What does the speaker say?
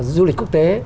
du lịch quốc tế